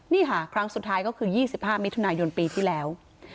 นี่ค่ะครั้งสุดท้ายก็คือ๒๕มิถุนายนปีที่แล้ว